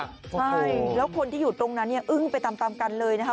ใช่แล้วคนที่อยู่ตรงนั้นเนี่ยอึ้งไปตามกันเลยนะคะ